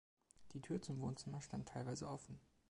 Die Tür zum Wohnzimmer stand teilweise offen.